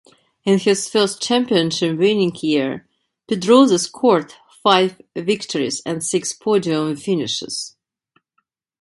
In his first championship winning year, Pedrosa scored five victories and six podium finishes.